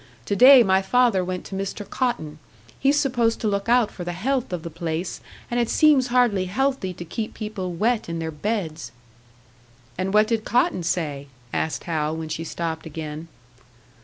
Today my father went to Mr. Cotton. He's supposed to look out for the health of the place, and it seems hardly healthy to keep people wet in their beds." "And what did Cotton say?" asked Hal, when she stopped again.